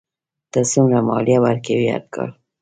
ته څومره مالیه ورکوې هر کال؟